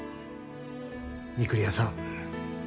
御厨さん。